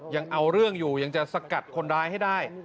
ยังเอาเรื่องอยู่ยังจะสกัดคนร้ายให้ได้